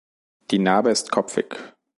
Die Narbe ist kopfig.